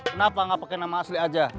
kenapa nggak pakai nama asli aja